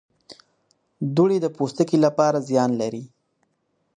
دوړې د پوستکي لپاره زیان لري.